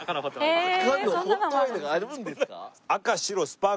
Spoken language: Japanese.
赤のホットワインとかあるんですか？